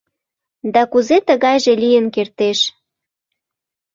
Да кузе тыгайже лийын кертеш?